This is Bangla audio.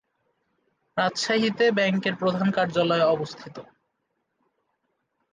রাজশাহীতে ব্যাংকের প্রধান কার্যালয় অবস্থিত।